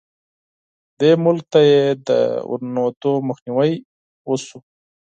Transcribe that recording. دې ملک ته یې د ورننوتو مخنیوی وشو.